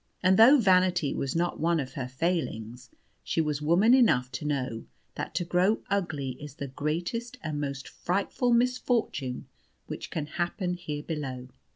And though vanity was not one of her failings, she was woman enough to know that to grow ugly is the greatest and most frightful misfortune which can happen here below.